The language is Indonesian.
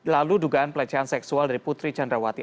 lalu dugaan pelecehan seksual dari putri candrawati